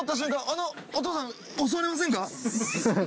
あのお父さん襲われませんか？